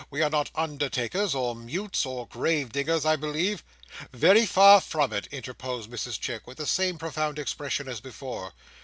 We are not undertakers, or mutes, or grave diggers, I believe." "Very far from it," interposed Mrs Chick, with the same profound expression as before.